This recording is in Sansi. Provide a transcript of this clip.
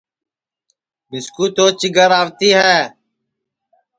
مِسکُو تو چیگر آوتی ہے